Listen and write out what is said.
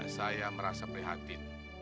saya merasa prihatin